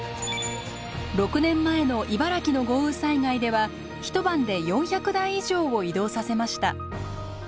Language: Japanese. ６年前の茨城の豪雨災害では一晩で４００台以上を移動させました。